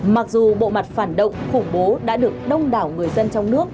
mặc dù bộ mặt phản động khủng bố đã được đông đảo người dân trong nước